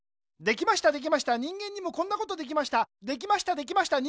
できましたできました人間にもこんなことできました。